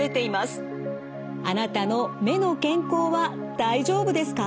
あなたの目の健康は大丈夫ですか？